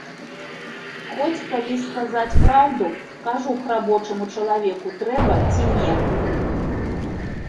Хоць, калі сказаць праўду, кажух рабочаму чалавеку трэба ці не?